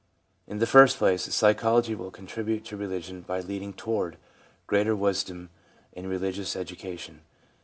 In the first place, psychology will contribute to religion by leading tozvard greater wisdom in religious education.